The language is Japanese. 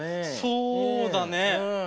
そうだね。